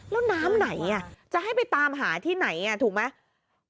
แล้วน้ำไหนจะให้ไปตามหาที่ไหนถูกไหม